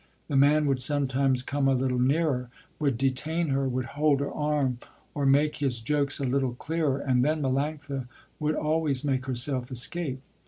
The man would sometimes come a little nearer, would detain her, would hold her arm or make his jokes a little clearer, and then Melanctha would always make herself escape.